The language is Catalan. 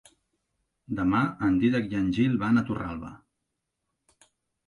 Demà en Dídac i en Gil van a Torralba.